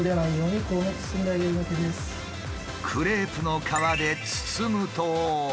クレープの皮で包むと。